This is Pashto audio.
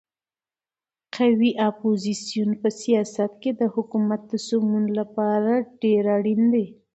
قوي اپوزیسیون په سیاست کې د حکومت د سمون لپاره ډېر اړین دی.